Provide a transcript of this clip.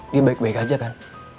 dia baik baik aja kan